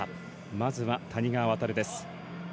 まずは谷川航です。